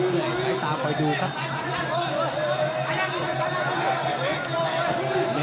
บรรยากาศมีหน้าบรรยากาศดีมากกว่านี้เพชรปุญญา